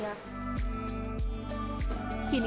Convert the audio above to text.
tapi kadang kadang ya